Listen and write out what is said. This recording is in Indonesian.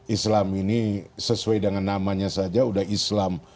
islam ini sesuai dengan namanya saja sudah islam